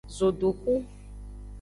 Zodohu.